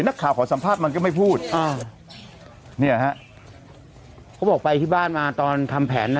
นักข่าวขอสัมภาษณ์มันก็ไม่พูดอ่าเนี่ยฮะเขาบอกไปที่บ้านมาตอนทำแผนนะ